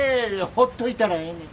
ほっといたらええねん。